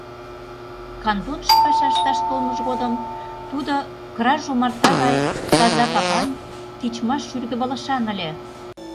Кантоныш паша ышташ толмыж годым тудо краж омарта гай таза капан, тичмаш шӱргывылышан ыле.